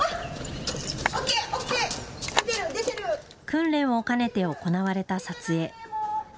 訓練を兼ねて行われた撮影。